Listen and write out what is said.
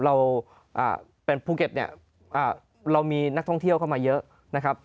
เราเป็นภูเก็ตเนี่ยเรามีนักท่องเที่ยวเข้ามาเยอะนะครับ